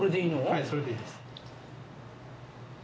はいそれでいいです。